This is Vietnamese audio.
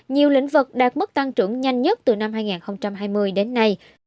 nhiều lĩnh vực đạt mức tăng trưởng nhanh nhất từ năm hai nghìn hai mươi đến nay